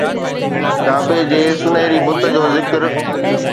گابي جي سونهري بت جو ذڪر